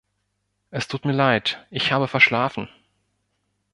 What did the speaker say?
Es tut mir leid, ich habe verschlafen.